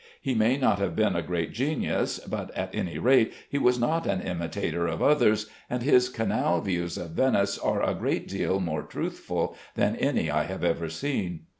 He may not have been a great genius, but, at any rate, he was not an imitator of others, and his canal views of Venice are a great deal more truthful than any I have ever seen.